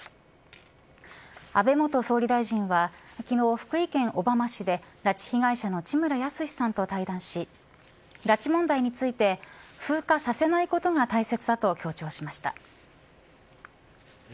安倍元総理大臣は昨日、福井県小浜市で拉致被害者の地村保志さんと対談し拉致問題について風化させないことが大切だと強調しました。